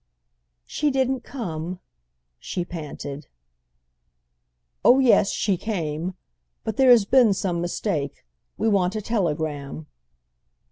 "She didn't come?" she panted. "Oh yes, she came; but there has been some mistake. We want a telegram."